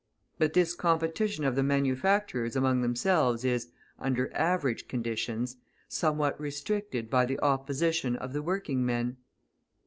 But this competition of the manufacturers among themselves is, under average conditions, somewhat restricted by the opposition of the working men.